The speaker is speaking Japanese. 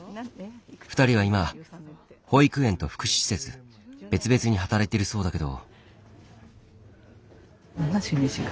２人は今保育園と福祉施設別々に働いてるそうだけど。